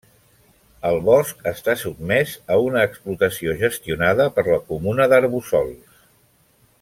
El bosc està sotmès a una explotació gestionada per la comuna d'Arboçols.